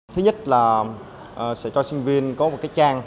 thứ nhất là sẽ cho sinh viên có một cái chương trình